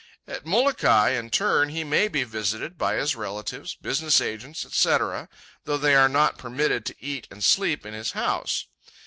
At Molokai, in turn, he may be visited by his relatives, business agents, etc., though they are not permitted to eat and sleep in his house.